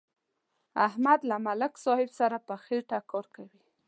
احمد له ملک صاحب سره په خېټه کار کوي.